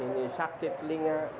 ini sakit telinga